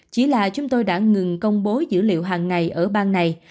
chỉ là chúng tôi đã ngừng công bố dữ liệu hàng ngày ở bang này